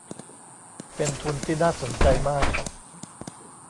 เป็นทุนที่น่าสนใจมาก